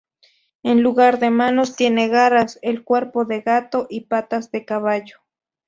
En lugar de manos tiene garras, el cuerpo de gato y patas de caballo.